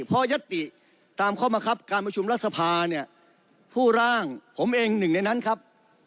พอยัตติตามข้อมังคับการประชุมรัฐสภาเนี่ยผู้ร่างผมเองหนึ่งในนั้นครับ